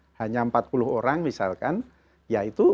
jadi kalau jatahnya taruhlah dari seratus hanya empat puluh orang misalkan ya itu